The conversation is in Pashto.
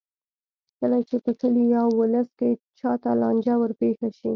کله چې په کلي یا ولس کې چا ته لانجه ورپېښه شي.